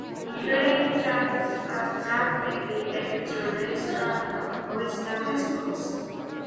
Increasing the dose of the drug may be able to restore the original response.